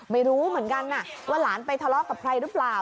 ไม่รู้เหมือนกันว่าหลานไปทะเลาะกับใครหรือเปล่า